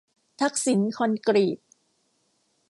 ทักษิณคอนกรีต